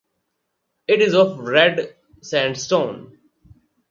It is of red sandstone.